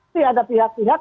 sih ada pihak pihak